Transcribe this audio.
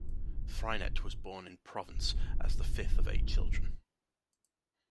Freinet was born in Provence as the fifth of eight children.